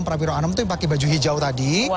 prawiro anom tuh yang pake baju hijau tadi